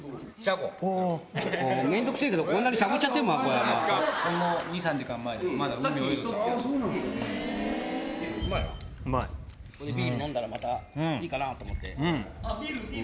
これでビール飲んだら、またいいかなと思って。